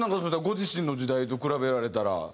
ご自身の時代と比べられたら。